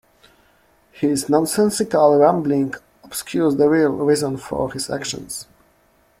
His nonsensical rambling obscures the real reason for his actions.